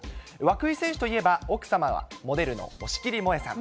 涌井選手といえば、奥様がモデルの押切もえさん。